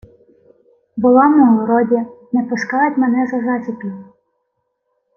— Була-м у городі. Не пускають мене за засіки.